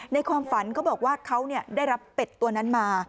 ความฝันเขาบอกว่าเขาได้รับเป็ดตัวนั้นมา